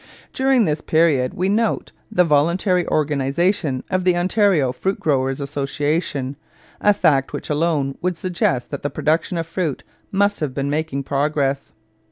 During this period we note the voluntary organization of the Ontario Fruit Growers' Association, a fact which alone would suggest that the production of fruit must have been making progress.